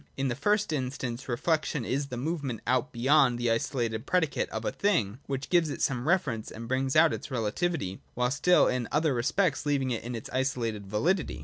In the first instance. Reflec tion is that movement out beyond the isolated predicate of a thing which gives it some reference, and brings out its relativity, while still in other respects leaving it its isolated validity.